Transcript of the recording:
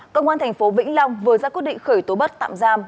công an thành phố vĩnh long vừa ra quyết định khởi tố bắt tạm giam